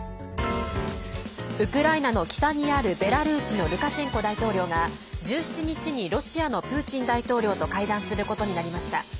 ウクライナの北にあるベラルーシのルカシェンコ大統領が、１７日にロシアのプーチン大統領と会談することになりました。